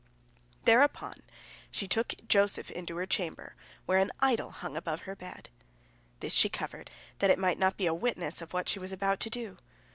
Thereupon she took Joseph into her chamber, where an idol hung above the bed. This she covered, that it might not be a witness of what she was about to do.